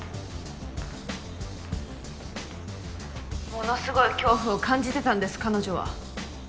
ものすごい恐怖を感じてたんです彼女は。